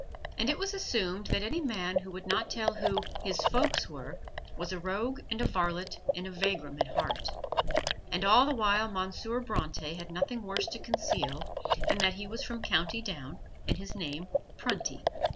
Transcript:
And it was assumed that any man who would not tell who "his folks" were, was a rogue and a varlet and a vagrom at heart. And all the while Monsieur Bronte had nothing worse to conceal than that he was from County Down and his name Prunty.